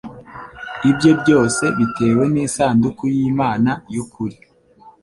ibye byose bitewe n’isanduku y’Imana y’ukuri